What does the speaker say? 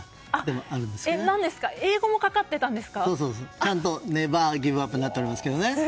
ちゃんと粘ーギブアップになっておりますけどね。